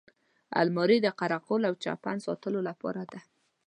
الماري د قره قل او چپن ساتلو لپاره ده